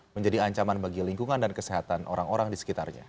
menjadi ancaman bagi lingkungan dan kesehatan orang orang di sekitarnya